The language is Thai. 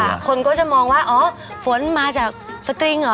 ใช่คนก็จะมองว่าฝนมาจากสตริง